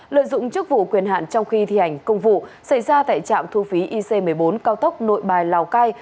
lợi dụng chức vụ quyền hạn trong khi thi hành công vụ xảy ra tại trạm thu phí ic một mươi bốn cao tốc nội bài lào cai